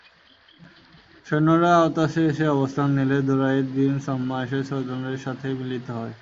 সৈন্যরা আওতাসে এসে অবস্থান নিলে দুরায়দ বিন ছম্মাহ এসে সৈন্যদের সাথে মিলিত হয়।